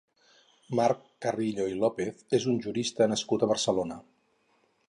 Marc Carrillo i López és un jurista nascut a Barcelona.